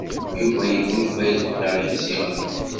Yuba iḥulfa i leqder-nnes yeɣli.